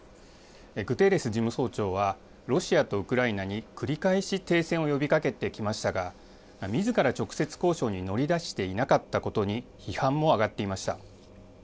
グテーレス事務総長は、ロシアとウクライナに繰り返し停戦を呼びかけてきましたが、みずから直接交渉に乗り出していなかったことに、批判も上がっていました。